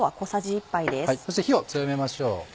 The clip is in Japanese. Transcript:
そして火を強めましょう。